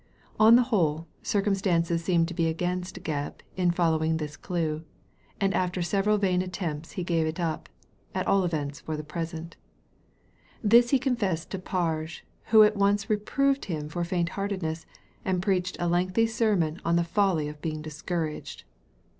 On the whole, circumstances seemed to be against Gebb in following this clue, and after several vain attempts he gave it up, at all events for the present This he confessed to Parge, who at once reproved him for faint heartedness, and preached a lengthy sermon on the folly of being discouraged.